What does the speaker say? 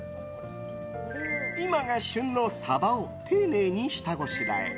今が旬のサバを丁寧に下ごしらえ。